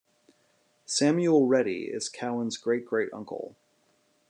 Samuel Rettie is Cowan's great-great uncle.